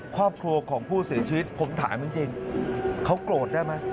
ครอบครัวของผู้เสียชีวิตผมถามจริงเขาโกรธได้ไหม